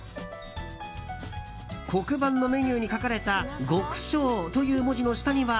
黒板のメニューに書かれた極小という文字の下には。